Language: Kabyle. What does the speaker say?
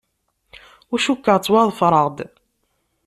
Ur cukkeɣ ttwaḍefreɣ-d.